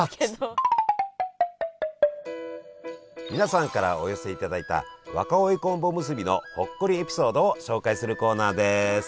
皆さんからお寄せいただいた若生昆布おむすびのほっこりエピソードを紹介するコーナーです。